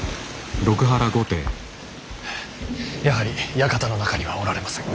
やはり館の中にはおられません。